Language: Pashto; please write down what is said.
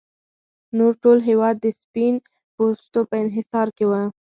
نور ټول هېواد د سپین پوستو په انحصار کې و.